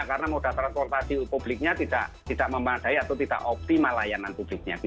karena moda transportasi publiknya tidak memadai atau tidak optimal layanan publiknya